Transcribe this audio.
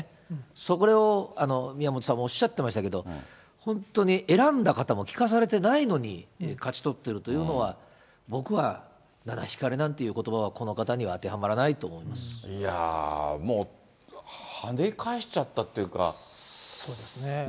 それを宮本さんもおっしゃってましたけど、本当に選んだ方も聞かされてないのに、勝ち取ってるっていうのは、僕は七光りなんていうことばは、この方には当てはまらないと思いいやー、もうはね返しちゃっそうですね。